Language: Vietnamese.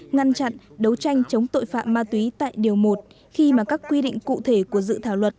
ngăn chặn đấu tranh chống tội phạm ma túy tại điều một khi mà các quy định cụ thể của dự thảo luật